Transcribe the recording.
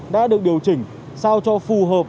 đã được điều chỉnh sao cho phù hợp